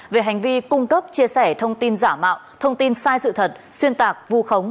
về hành vi cung cấp chia sẻ thông tin giả mạo thông tin sai sự thật xuyên tạc vu khống